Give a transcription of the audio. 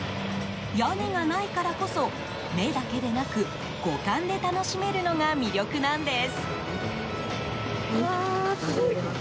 屋根がないからこそ目だけでなく五感で楽しめるのが魅力なんです。